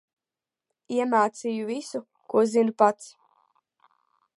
Iemācīju visu, ko zinu pats.